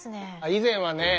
以前はね